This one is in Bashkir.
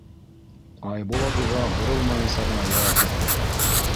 Айбулат уға боролмайынса ғына яуап бирҙе: